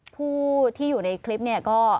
ผู้ที่อยู่ในคลิปเนี่ยก็